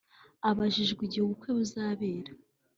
Abajijwe igihe ubukwe buzabera